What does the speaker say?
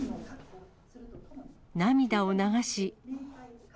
涙を流し。